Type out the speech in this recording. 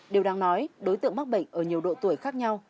điều đáng nói đối tượng mắc bệnh ở nhiều độ tuổi khác nhau